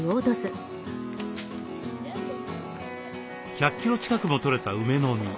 １００キロ近くもとれた梅の実。